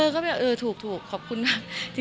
ก็แบบเออถูกขอบคุณมาก